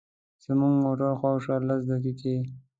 زموږ موټر شاوخوا لس دقیقې.